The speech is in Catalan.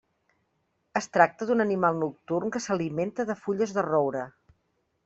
Es tracta d'un animal nocturn que s'alimenta de fulles de roure.